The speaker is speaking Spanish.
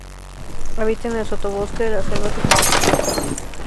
Habita en el sotobosque de la selva tropical.